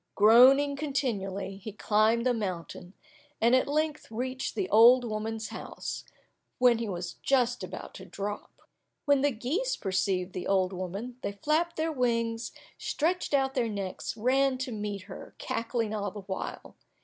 Groaning continually, he climbed the mountain, and at length reached the old woman's house, when he was just about to drop. When the geese perceived the old woman, they flapped their wings, stretched out their necks, ran to meet her, cackling all the while.